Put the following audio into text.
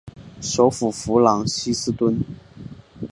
首府弗朗西斯敦。